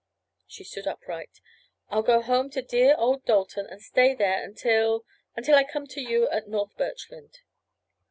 She stood upright. "I'll go home to dear, old Dalton, and stay there until—until I come to you at North Birchland."